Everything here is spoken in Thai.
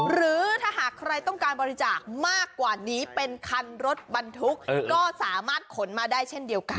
หรือถ้าหากใครต้องการบริจาคมากกว่านี้เป็นคันรถบรรทุกก็สามารถขนมาได้เช่นเดียวกัน